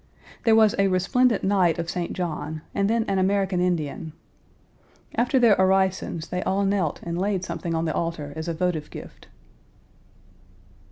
There was a resplendent knight of St. John, and then an American Indian. After their orisons they all knelt and laid something on the altar as a votive gift.